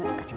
uuuh eh eh